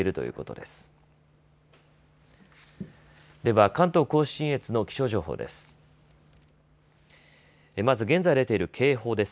では関東甲信越の気象情報です。